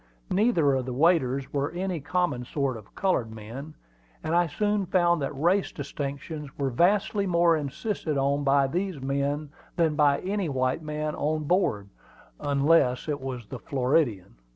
Neither of the waiters were any common sort of colored men; and I soon found that race distinctions were vastly more insisted on by these men than by any white man on board, unless it was the Floridian.